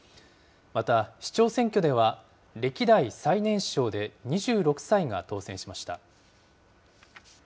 また市長選挙では、歴代最年少で２６歳が当選しました。